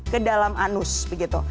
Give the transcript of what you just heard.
kedalam anus begitu